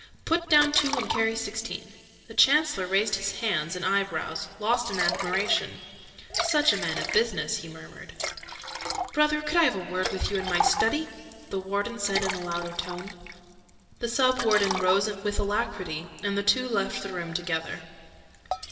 "Put down two and carry sixteen." The Chancellor raised his hands and eyebrows, lost in admiration. "Such a man of business!" he murmured. "Brother, could I have a word with you in my Study?" the Warden said in a louder tone. The Sub Warden rose with alacrity, and the two left the room together.